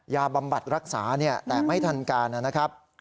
บำบัดรักษาแต่ไม่ทันการนะครับ